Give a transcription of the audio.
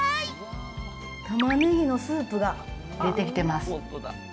たまねぎのスープが出てきてます。